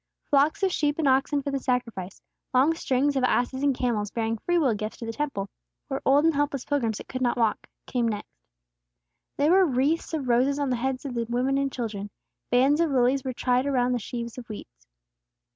Flocks of sheep and oxen for the sacrifice, long strings of asses and camels bearing free will gifts to the Temple, or old and helpless pilgrims that could not walk, came next. There were wreaths of roses on the heads of the women and children; bands of lilies were tied around the sheaves of wheat.